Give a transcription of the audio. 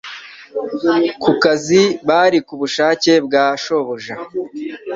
Ku kazi bari ku bushake bwa shobuja